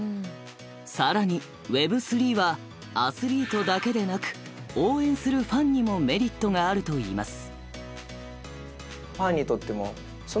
更にＷｅｂ３はアスリートだけでなく応援するファンにもメリットがあるといいます。